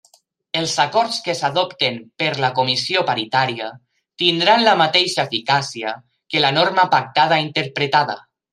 Els acords que s'adopten per la Comissió Paritària tindran la mateixa eficàcia que la norma pactada interpretada.